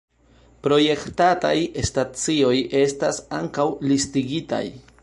Projektataj stacioj estas ankaŭ listigitaj.